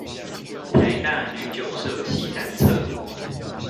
臺大女九舍西南側